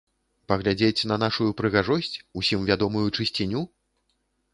Паглядзець на нашую прыгажосць, усім вядомую чысціню?